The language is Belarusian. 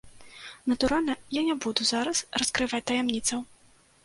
Натуральна, я не буду зараз раскрываць таямніцаў.